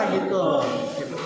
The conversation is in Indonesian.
gak gak gak gak